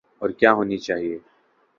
اور کیا ہونی چاہیے۔